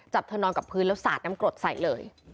เธอนอนกับพื้นแล้วสาดน้ำกรดใส่เลย